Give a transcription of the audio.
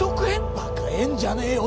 バカ円じゃねえよ